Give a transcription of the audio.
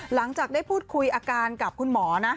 หลังจากได้พูดคุยอาการกับคุณหมอนะ